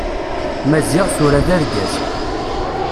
Maziɣ, tura d argaz.